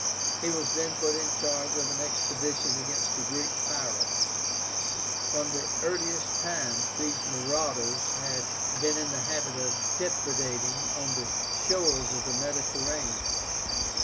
He was then put in charge of an expedition against the Greek pirates. From the earliest times these marauders had been in the habit of depredating on the shores of the Mediterranean.